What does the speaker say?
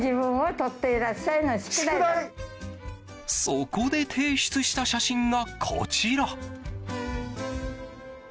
そこで提出した写真がこちら。